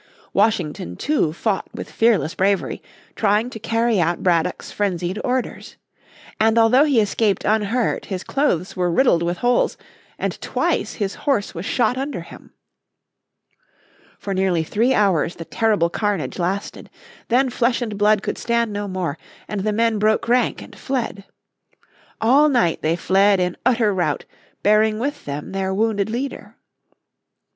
Washington too fought with fearless bravery, trying to carry out Braddock's frenzied orders. And although he escaped unhurt his clothes were riddled with holes, and twice his horse was shot under him. For nearly three hours the terrible carnage lasted. Then flesh and blood could stand no more, and the men broke rank and fled. All night they fled in utter rout, bearing with them their wounded leader.